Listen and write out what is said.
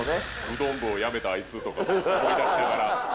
うどん部を辞めたあいつとか思い出しながら。